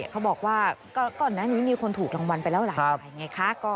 เขาบอกว่าก่อนหน้านี้มีคนถูกรางวัลไปแล้วหลายไงคะ